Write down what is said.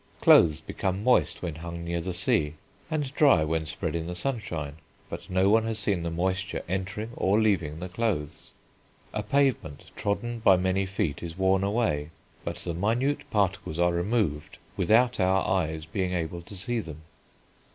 Clothes become moist when hung near the sea, and dry when spread in the sunshine; but no one has seen the moisture entering or leaving the clothes. A pavement trodden by many feet is worn away; but the minute particles are removed without our eyes being able to see them.